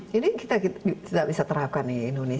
jadi kita tidak bisa terapkan di indonesia seperti ini